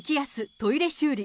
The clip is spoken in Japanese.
トイレ修理。